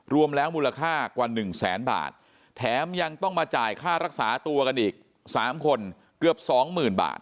รวมแล้วมูลค่ากว่า๑แสนบาทแถมยังต้องมาจ่ายค่ารักษาตัวกันอีก๓คนเกือบ๒๐๐๐บาท